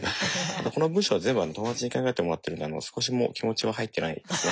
あとこの文章は全部友達に考えてもらってるんで少しも気持ちは入ってないですね。